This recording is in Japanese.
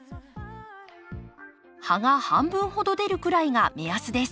葉が半分ほど出るくらいが目安です。